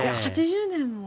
８０年も。